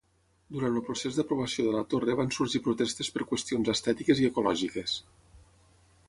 Durant el procés d'aprovació de la torre van sorgir protestes per qüestions estètiques i ecològiques.